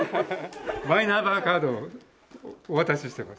マイナンバーカードをお渡ししてます。